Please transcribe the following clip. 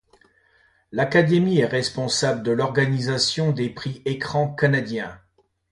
L'Académie est responsable de l'organisation des Prix Écrans canadiens.